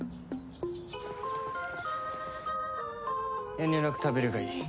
遠慮なく食べるがいい。